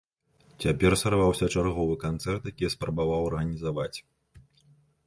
Цяпер сарваўся чарговы канцэрт, які я спрабаваў арганізаваць.